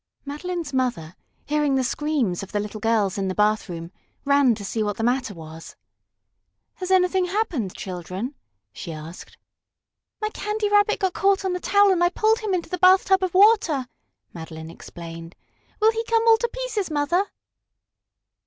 Madeline's mother, hearing the screams of the little girls in the bathroom, ran to see what the matter was. "Has anything happened, children?" she asked. "My Candy Rabbit got caught on the towel and I pulled him into the bathtub of water," Madeline explained. "Will he come all to pieces, Mother?"